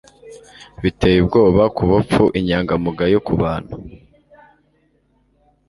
Biteye ubwoba kubapfu inyangamugayo kubantu